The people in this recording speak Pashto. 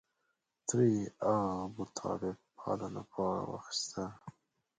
تره یې ابوطالب پالنه په غاړه واخسته.